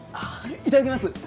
いただきます！